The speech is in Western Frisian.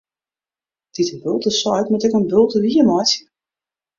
Dy't in bulte seit, moat ek in bulte wiermeitsje.